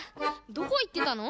どこいってたの？